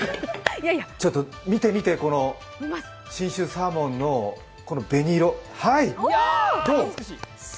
見て見て、この信州サーモンの紅色。